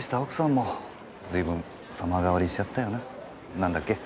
何だっけ？